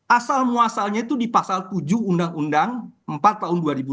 asal muasalnya itu di pasal tujuh undang undang empat tahun dua ribu enam